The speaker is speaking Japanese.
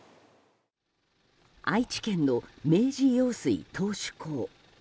愛知県の明治用水頭首工。